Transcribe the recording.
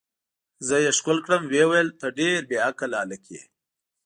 ما یې ښکل کړم، ویې ویل: ته ډېر بې عقل هلک یې.